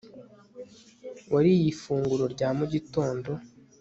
wariye ifunguro rya mu gitondo